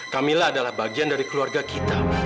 camilla adalah bagian dari keluarga kita